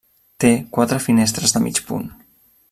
Té quatre finestres de mig punt.